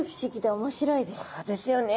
そうですよね。